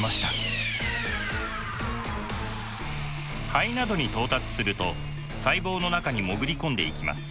肺などに到達すると細胞の中に潜り込んでいきます。